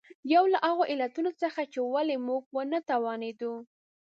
یو له هغو علتونو څخه چې ولې موږ ونه توانېدو.